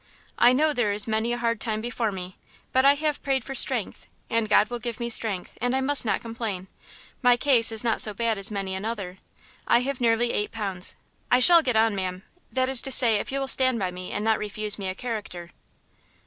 "I know there is many a hard time before me, but I have prayed for strength, and God will give me strength, and I must not complain. My case is not so bad as many another. I have nearly eight pounds. I shall get on, ma'am, that is to say if you will stand by me and not refuse me a character."